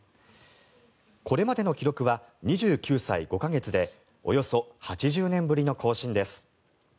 これまでの記録は２９歳５か月でおよそ８０年ぶりの更新です。